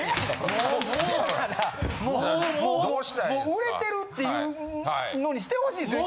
売れてるっていうのにしてほしいですよ。